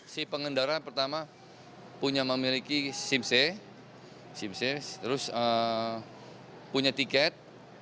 si pengendara pertama punya memiliki simse terus punya tiket